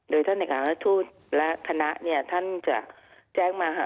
โดยท่านเอกาทูตและคณะเนี่ยท่านจะแจ้งมาหา